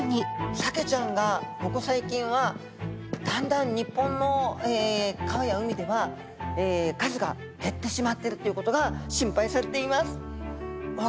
サケちゃんがここ最近はだんだん日本の川や海では数が減ってしまってるっていうことが心配されています。